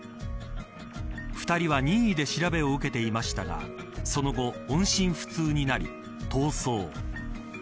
２人は任意で調べを受けていましたがその後、音信不通になり逃走。